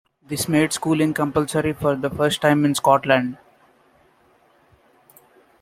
This made schooling compulsory for the first time in Scotland.